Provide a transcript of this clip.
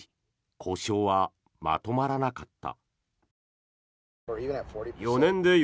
交渉はまとまらなかった。